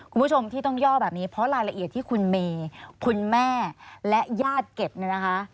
คุณผู้ชมที่ต้องย่อแบบนี้เพราะรายละเอียดที่คุณเมย์คุณแม่และญาติเก็บเนี่ยนะคะ